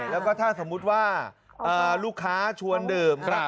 แล้วก็ถ้าสมมุติว่าลูกค้าชวนดื่ม